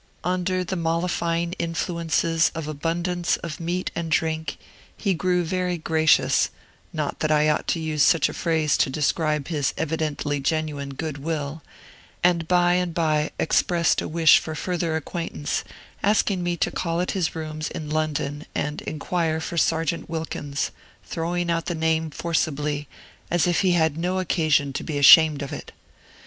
Under the mollifying influences of abundance of meat and drink, he grew very gracious (not that I ought to use such a phrase to describe his evidently genuine good will), and by and by expressed a wish for further acquaintance, asking me to call at his rooms in London and inquire for Sergeant Wilkins, throwing out the name forcibly, as if he had no occasion to be ashamed of it.